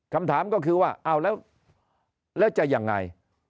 คำถามก็คือว่าเอาแล้วจะยังไง